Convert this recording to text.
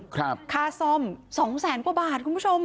ค่าซ่อมสองแสนกว่าบาทคุณผู้ชม